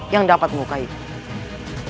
yang dapat muka itu